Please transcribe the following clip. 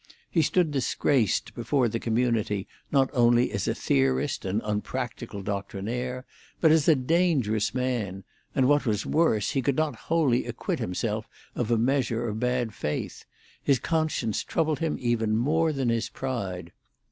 He stood disgraced before the community not only as a theorist and unpractical doctrinaire, but as a dangerous man; and what was worse, he could not wholly acquit himself of a measure of bad faith; his conscience troubled him even more than his pride.